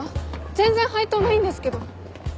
全然配当ないんですけど。